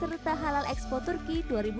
serta halal expo turki dua ribu sembilan belas